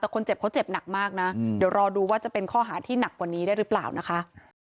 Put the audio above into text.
แต่คนเจ็บเขาเจ็บหนักมากนะเดี๋ยวรอดูว่าจะเป็นข้อหาที่หนักกว่านี้ได้หรือเปล่านะคะ